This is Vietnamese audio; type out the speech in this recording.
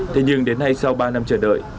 thế nhưng đến nay sau ba năm chờ đợi